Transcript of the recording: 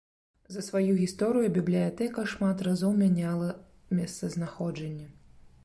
За сваю гісторыю бібліятэка шмат разоў мяняла месцазнаходжанне.